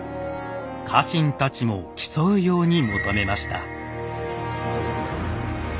家臣たちも競うように求めました。